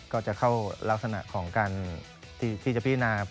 ก็จะเข้ารักษณะของการที่จะพินา